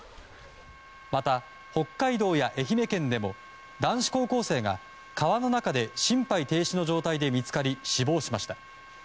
また、北海道や愛媛県でも男子高校生が川の中で心肺停止の状態で見つかり死亡しました。